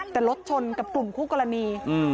แต่รถชนกับกลุ่มคู่กรณี